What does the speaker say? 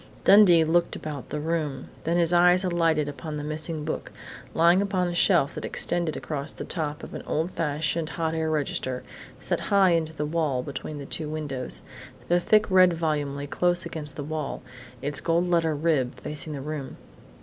Dundee looked about the room, then his eyes alighted upon the missing book, lying upon a shelf that extended across the top of an old fashioned hot air register, set high in the wall between the two windows. The thick red volume lay close against the wall, its gold lettered "rib" facing the room.